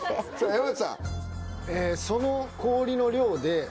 山内さん。